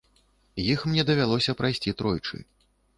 Іх мне давялося прайсці тройчы.